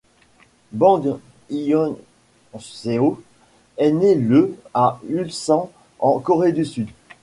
Bang Hyeon-seok est né le à Ulsan en Corée du Sud.